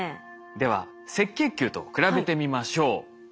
では赤血球と比べてみましょう。